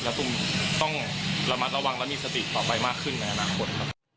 แล้วตุ้มต้องระมัดระวังและมีสติต่อไปมากขึ้นในอนาคตครับ